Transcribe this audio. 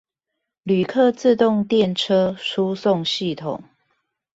旅客自動電車輸送系統